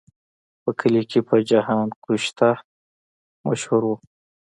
په کلي کې په جهان ګشته مشهور و.